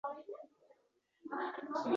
Axir, sen aytgandingki